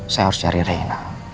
saya harus cari renna